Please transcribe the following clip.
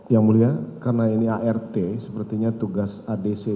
yang mulia karena ini art sepertinya tugas adc